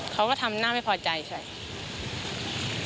เขาก็ทำหน้าไม่พอใจใช่ไหม